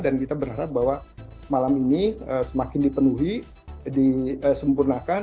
dan kita berharap bahwa malam ini semakin dipenuhi disempurnakan